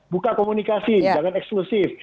buka komunikasi jangan eksklusif